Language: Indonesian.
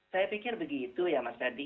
saya pikir begitu ya mas adi